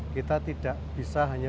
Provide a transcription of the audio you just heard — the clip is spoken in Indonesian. kita tidak bisa hanya